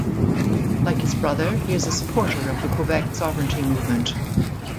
Like his brother, he is a supporter of the Quebec sovereignty movement.